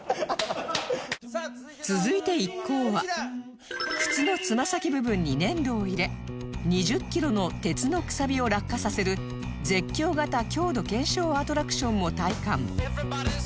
続いて一行は靴のつま先部分に粘土を入れ２０キロの鉄のくさびを落下させる絶叫型強度検証アトラクションも体感